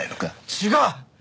違う！